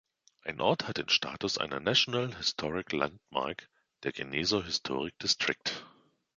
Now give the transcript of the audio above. Ein Ort hat den Status einer National Historic Landmark, der Geneseo Historic District.